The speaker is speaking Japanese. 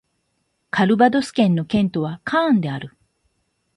カルヴァドス県の県都はカーンである